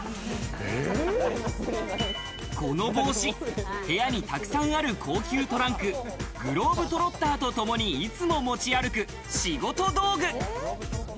この帽子、部屋にたくさんある高級トランク、グローブ・トロッターとともにいつも持ち歩く、仕事道具。